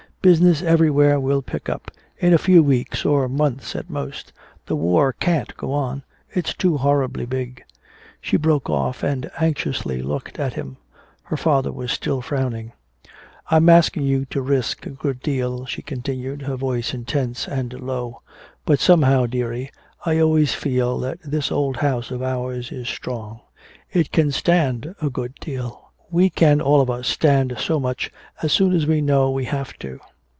Business everywhere will pick up in a few weeks or months at most. The war can't go on it's too horribly big!" She broke off and anxiously looked at him. Her father was still frowning. "I'm asking you to risk a good deal," she continued, her voice intense and low. "But somehow, dearie, I always feel that this old house of ours is strong. It can stand a good deal. We can all of us stand so much, as soon as we know we have to."